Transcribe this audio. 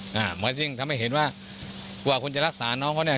เหมือนยิ่งทำให้เห็นว่ากว่าคุณจะรักษาน้องเขาเนี่ย